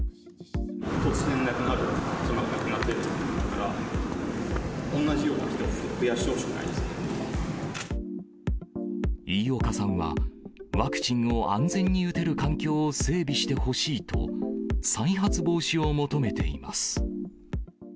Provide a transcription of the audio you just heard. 突然亡くなる、妻が亡くなってますから、おんなじような人を増やしてほしくない飯岡さんは、ワクチンを安全に打てる環境を整備してほしいと、再発防止を求めています。